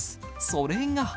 それが。